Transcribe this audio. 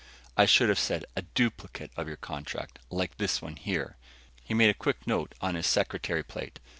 "I should have said a duplicate of your contract like this one here." He made a quick note on his secretary plate.